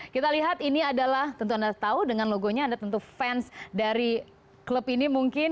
kita lihat ini adalah tentu anda tahu dengan logonya anda tentu fans dari klub ini mungkin